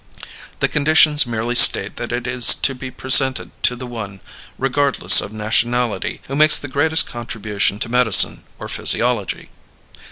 The conditions merely state that it is to be presented to the one, regardless of nationality, who makes the greatest contribution to medicine or physiology."